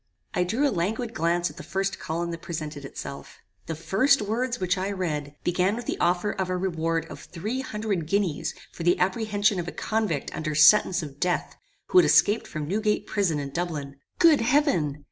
"I threw a languid glance at the first column that presented itself. The first words which I read, began with the offer of a reward of three hundred guineas for the apprehension of a convict under sentence of death, who had escaped from Newgate prison in Dublin. Good heaven!